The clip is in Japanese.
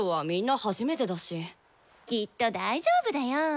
きっと大丈夫だよ。